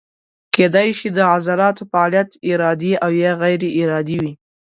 کیدای شي د عضلاتو فعالیت ارادي او یا غیر ارادي وي.